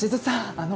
あの。